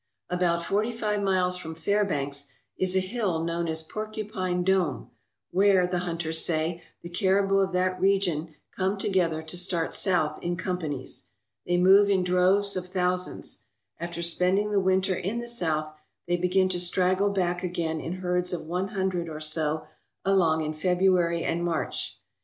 About forty five miles from Fairbanks is a hill known as Porcupine Dome, where, the hunters say, the caribou of that region come together to start south in companies. They move in droves of thousands. After spending the winter in the south, they begin to straggle back again in herds of one hundred or so along in February and March.